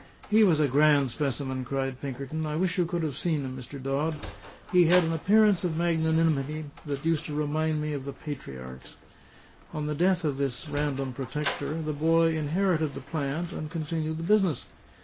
"He was a grand specimen," cried Pinkerton; "I wish you could have seen him, Mr. Dodd. He had an appearance of magnanimity that used to remind me of the patriarchs." On the death of this random protector, the boy inherited the plant and continued the business.